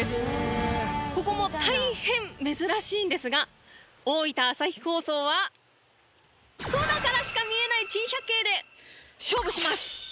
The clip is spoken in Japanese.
ここも大変珍しいんですが大分朝日放送は空からしか見えない珍百景で勝負します！